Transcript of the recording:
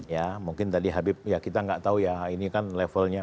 ya mungkin tadi habib ya kita nggak tahu ya ini kan levelnya